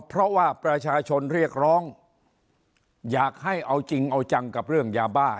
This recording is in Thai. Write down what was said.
เพราะว่าประชาชนเรียกร้องอยากให้เอาจริงเอาจังกับเรื่องยาบ้า